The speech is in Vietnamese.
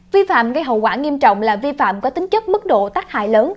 vi phạm gây hậu quả nghiêm trọng là vi phạm có tính chất mức độ tác hại lớn